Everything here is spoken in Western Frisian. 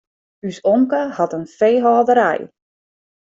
Us omke hat in feehâlderij.